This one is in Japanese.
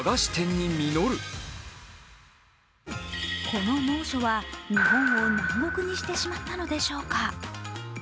この猛暑は日本を南国にしてしまったのでしょうか。